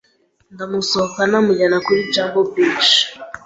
ndamusohokana, mujyana kuri Jambo beach,